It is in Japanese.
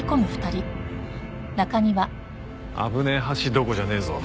危ねえ橋どころじゃねえぞ。